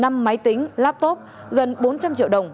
năm máy tính laptop gần bốn trăm linh triệu đồng